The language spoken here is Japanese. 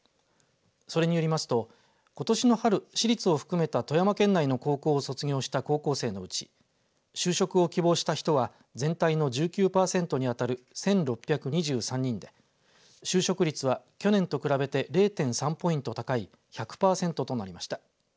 それによりますと、ことしの春私立を含めた富山県内の高校を卒業した高校生のうち就職を希望した人は全体の１９パーセントに当たる１６２３人で就職率は去年と比べて０．３ポイント高い１００パーセントとなりました。